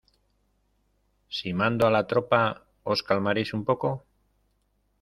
Si mando a la tropa, ¿ os calmaréis un poco?